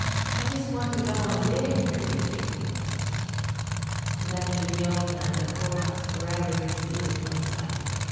I just want to go on living here with you." Then to the old man the poorhouse forever receded from sight.